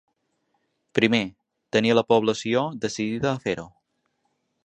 Primer, tenir la població decidida a fer-ho.